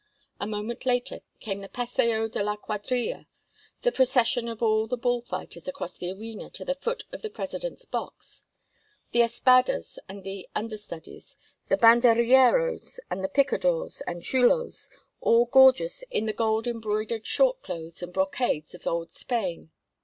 A moment later came the Paseo de la Cuadrilla, the procession of all the bull fighters across the arena to the foot of the president's box—the espadas and their understudies, the banderilleros, the picadores and chulos, all gorgeous in the gold embroidered short clothes and brocades of old Spain.